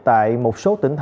tại một số tỉnh thành